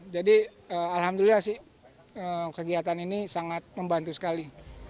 jadi alhamdulillah sih kegiatan ini sangat membantu sekali